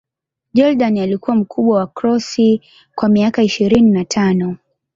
Jordan alikuwa mkubwa wa Cross kwa miaka ishirini na tano.